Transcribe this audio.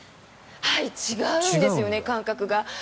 違うんですよね、感覚が。